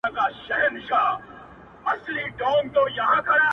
• نو به ګورې چي نړۍ دي د شاهي تاج در پرسر کي -